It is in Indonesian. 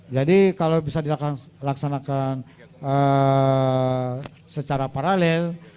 jadi kalau bisa dilaksanakan secara paralel